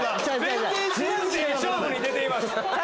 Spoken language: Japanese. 勝負に出ています！